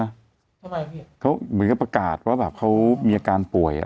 ทำไมพี่เขาเหมือนกับประกาศว่าแบบเขามีอาการป่วยอ่ะ